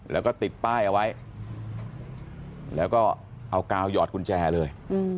แล้วก็ติดป้ายเอาไว้แล้วก็เอากาวหยอดกุญแจเลย